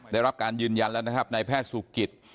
ได้รับการยืนยันแล้วนะครับนายแพทย์สุกิต